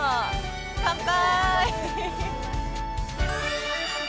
乾杯。